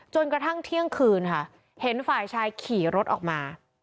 จนกระทั่งเที่ยงคืนค่ะเห็นฝ่ายชายขี่รถออกมา